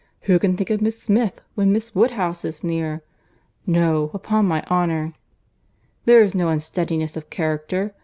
who can think of Miss Smith, when Miss Woodhouse is near! No, upon my honour, there is no unsteadiness of character.